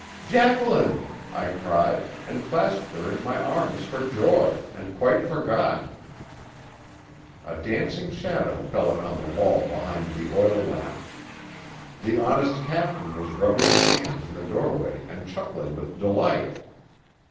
"Jacqueline!" I cried, and clasped her in my arms for joy, and quite forgot. A dancing shadow fell upon the wall behind the oil lamp. The honest captain was rubbing his hands in the doorway and chuckling with delight.